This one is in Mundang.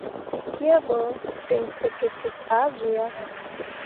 Tekie ɓo ten sǝkikki ah zu yah.